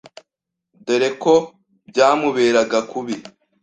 dore ko byamuberaga kubi,